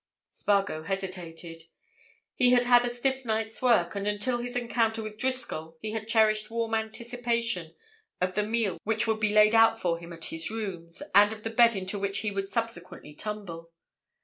Spargo hesitated. He had had a stiff night's work, and until his encounter with Driscoll he had cherished warm anticipation of the meal which would be laid out for him at his rooms, and of the bed into which he would subsequently tumble.